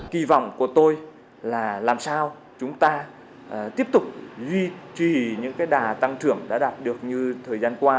kỳ vọng của tôi là làm sao chúng ta tiếp tục duy trì những đà tăng trưởng đã đạt được như thời gian qua